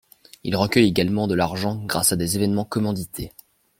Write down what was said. Il recueille également de l'argent grâce à des événements commandités.